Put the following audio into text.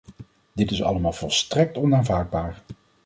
Dit is allemaal volstrekt onaanvaardbaar.